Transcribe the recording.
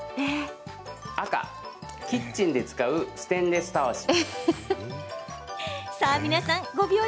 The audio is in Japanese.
赤・キッチンで使うステンレスたわし。